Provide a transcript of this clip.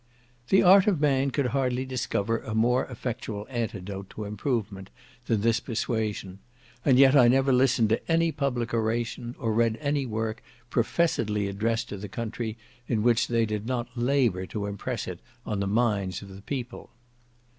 The art of man could hardly discover a more effectual antidote to improvement, than this persuasion; and yet I never listened to any public oration, or read any work, professedly addressed to the country, in which they did not labour to impress it on the minds of the people.